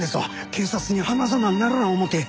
警察に話さなならん思うて。